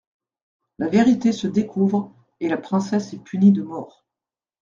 La vérité se découvre, et la princesse est punie de mort.